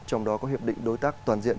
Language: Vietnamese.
trong đó có hiệp định đối tác toàn diện